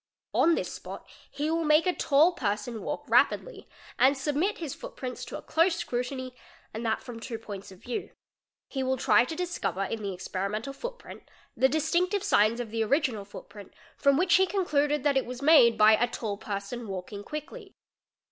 On this spot he will make a tall person walk rapidly and submit his footprints to a close scrutiny and that from two points of view: he will try to discover in the experimental footprint the distinctive signs of the original footprint from which he concluded that it was made by "a tall person walking quickly".